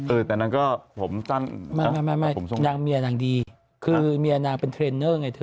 เออแต่นางก็ผมสั้นนางเมียนางดีคือเมียนางเป็นเทรนเนอร์ไงเธอ